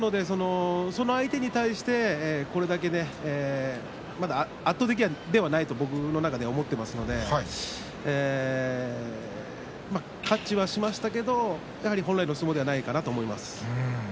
その相手に対して、これだけ圧倒的ではないと僕の中では思っていますが勝ちはしましたけど本来の相撲ではないかなと思います。